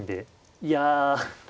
いや。